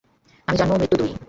আমি জন্ম ও মৃত্যু দুই-ই।